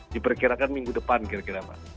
diperkirakan minggu depan kira kira pak